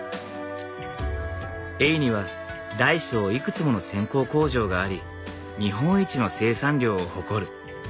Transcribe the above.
江井には大小いくつもの線香工場があり日本一の生産量を誇る。